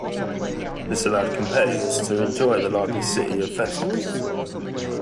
This allowed competitors to enjoy the lively city of festivals.